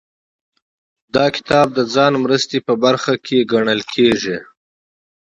دا کتاب د ځان مرستې په برخه کې ګڼل کیږي.